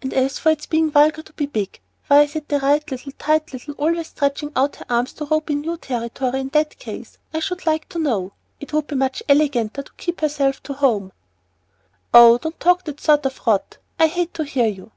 And as for its being vulgar to be big, why is the 'right little, tight little' always stretching out her long arms to rope in new territory, in that case, I should like to know? It would be much eleganter to keep herself to home " "Oh, don't talk that sort of rot; I hate to hear you."